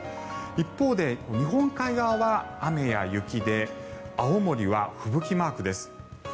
一方で日本海側は雨や雪で青森は吹雪マークです。